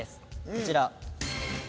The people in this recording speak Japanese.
こちら。